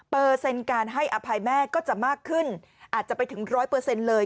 การให้อภัยแม่ก็จะมากขึ้นอาจจะไปถึงร้อยเปอร์เซ็นต์เลย